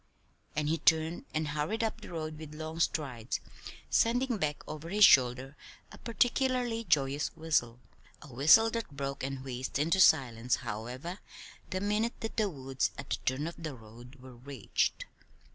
And he turned and hurried up the road with long strides, sending back over his shoulder a particularly joyous whistle a whistle that broke and wheezed into silence, however, the minute that the woods at the turn of the road were reached.